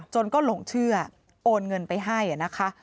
จนก็หลงเชื่อโอนเงินไปให้นะคะ